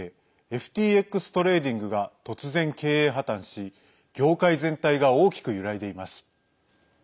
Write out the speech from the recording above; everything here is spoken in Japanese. ＦＴＸトレーディングが突然、経営破綻し業界全体が大きく揺らいでいます。